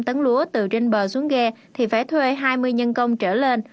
tầng lúa từ trên bờ xuống ghe thì phải thuê hai mươi nhân công trở lên